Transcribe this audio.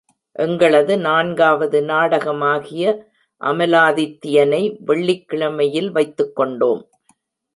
எங்களது நான்காவது நாடகமாகிய அமலாதித்யனை வெள்ளிக் கிழமையில் வைத்துக்கொண்டோம்.